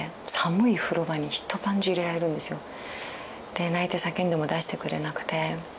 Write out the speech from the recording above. で泣いて叫んでも出してくれなくて。